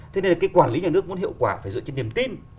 thế nên là cái quản lý nhà nước muốn hiệu quả phải dựa trên niềm tin